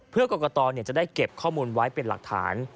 เพื่อกรกตจะได้เก็บข้อมูลไว้เป็นหลักฐาน